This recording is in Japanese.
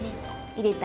入れたい。